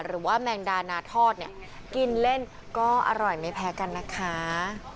แมงดานาทอดเนี่ยกินเล่นก็อร่อยไม่แพ้กันนะคะ